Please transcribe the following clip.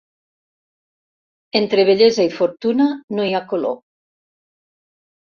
Entre bellesa i fortuna no hi ha color.